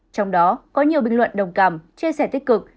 trong đó có nhiều bình luận đồng cảm chia sẻ tích cực